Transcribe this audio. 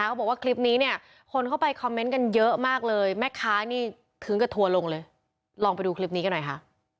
เขาบอกว่าคลิปนี้เนี่ยคนเข้าไปคอมเมนต์กันเยอะมากเลยแม่ค้านี่ถึงกับทัวร์ลงเลยลองไปดูคลิปนี้กันหน่อยค่ะ